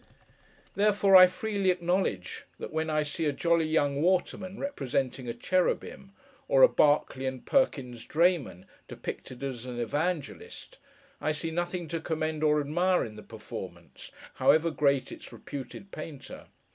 Therefore, I freely acknowledge that when I see a jolly young Waterman representing a cherubim, or a Barclay and Perkins's Drayman depicted as an Evangelist, I see nothing to commend or admire in the performance, however great its reputed Painter.